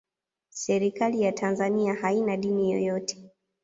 serikali ya tanzania haina dini yoyote